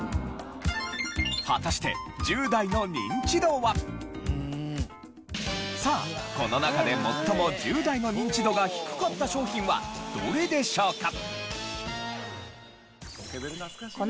果たしてさあこの中で最も１０代のニンチドが低かった商品はどれでしょうか？